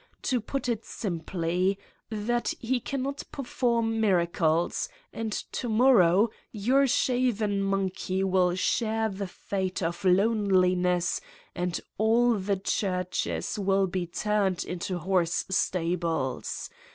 to put it simply, that he cannot perform miracles, and to morrow your shaven monkey will share the fate of loneliness and all the churches will be turned into horse stables.